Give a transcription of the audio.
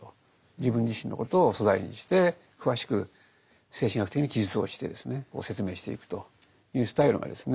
自分自身のことを素材にして詳しく精神医学的に記述をして説明していくというスタイルがですね